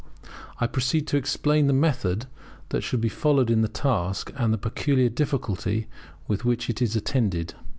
I proceed to explain the method that should be followed in the task, and the peculiar difficulty with which it is attended.